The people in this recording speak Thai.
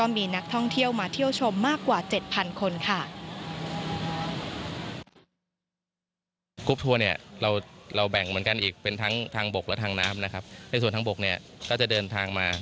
มีนักท่องเที่ยวชมมากกว่า๗๐๐๐คน